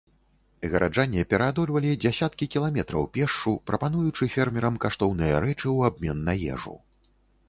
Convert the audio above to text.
Гараджане пераадольвалі дзясяткі кіламетраў пешшу, прапануючы фермерам каштоўныя рэчы ў абмен на ежу.